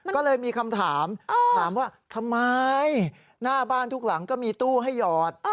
ก็เลยมีคำถามถามว่าทำไมหน้าบ้านทุกหลังก็มีตู้ให้หยอด